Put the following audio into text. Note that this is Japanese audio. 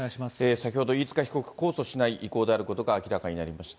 先ほど、飯塚被告、控訴しない意向であることが明らかになりました。